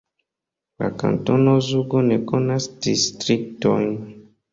La kantono Zugo ne konas distriktojn.